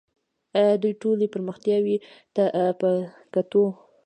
آیا دې ټولو پرمختیاوو ته په کتو